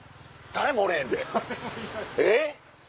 誰もおれへんでえっ？